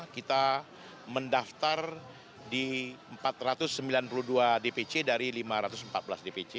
kita mendaftar di empat ratus sembilan puluh dua dpc dari lima ratus empat belas dpc